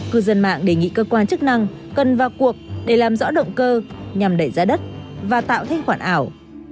cư dân mạng đề nghị cơ quan chức năng cần vào cuộc để làm rõ động cơ nhằm đẩy giá đất và tạo thanh khoản ảo